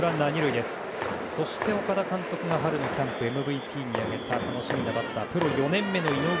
そして岡田監督が春のキャンプＭＶＰに挙げた楽しみなバッタープロ４年目の井上